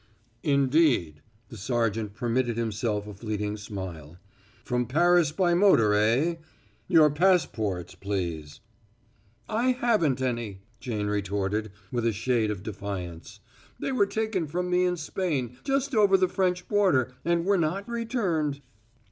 "Indeed!" The sergeant permitted himself a fleeting smile. "From Paris by motor, eh? Your passports, please." "I haven't any," Jane retorted, with a shade of defiance. "They were taken from me in Spain, just over the French border, and were not returned."